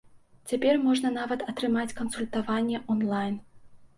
Цяпер можна нават атрымаць кансультаванне онлайн.